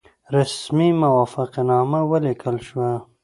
رسمي موافقتنامه ولیکل شوه.